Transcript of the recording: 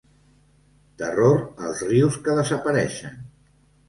Terror als rius que desapareixen.